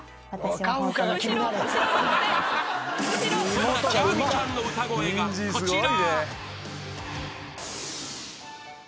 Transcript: ［そんな茶愛美ちゃんの歌声がこちら］